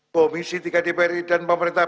komisi tiga dpr ri dan pemerintah